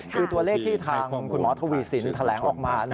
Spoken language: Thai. คือตัวเลขที่ทางคุณหมอทวีสินแถลงออกมา